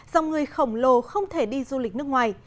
dòng người khổng lồ không thể đi du lịch nước ngoài